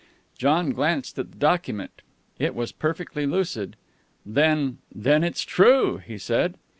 John glanced at the document. It was perfectly lucid. "Then then it's true!" he said.